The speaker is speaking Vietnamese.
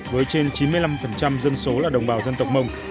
với trên chín mươi năm dân số là đồng bào dân tộc mông